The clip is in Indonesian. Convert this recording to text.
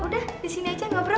udah disini aja ngobrol